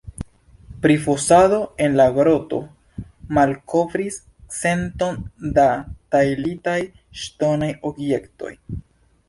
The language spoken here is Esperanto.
Prifosado en la groto malkovris centon da tajlitaj ŝtonaj objektoj.